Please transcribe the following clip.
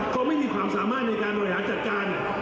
เขาไม่มีความสามารถในการบริหารจัดการ